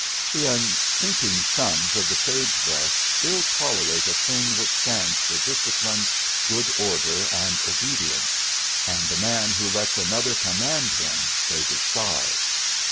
The unthinking sons of the sage brush ill tolerate a thing which stands for discipline, good order, and obedience, and the man who lets another command him they despise.